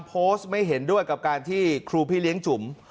โพสต์ไม่เห็นด้วยกับการที่ครูพี่เลี้ยงจุ๋ม